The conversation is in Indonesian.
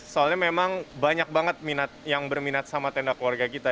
soalnya memang banyak banget minat yang berminat sama tenda keluarga kita